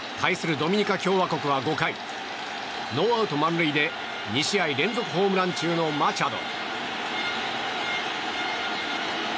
ドミニカ共和国は５回ノーアウト満塁で２試合連続ホームラン中のマチャド。